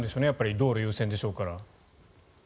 道路優先でしょうから。